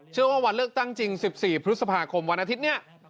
ว่าวันเลือกตั้งจริง๑๔พฤษภาคมวันอาทิตย์นี้